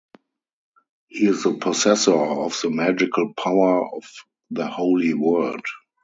He is the possessor of the magical power of the holy word.